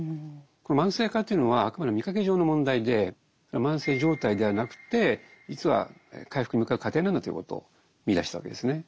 これ慢性化というのはあくまで見かけ上の問題で慢性「状態」ではなくて実は回復に向かう「過程」なんだということを見いだしたわけですね。